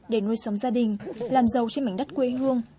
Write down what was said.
để nuôi sống gia đình làm giàu trên mảnh đất quê hương